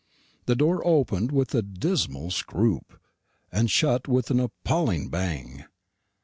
The door opened with a dismal scroop, and shut with an appalling bang.